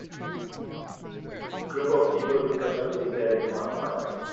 Group of people pick up something that is on fire.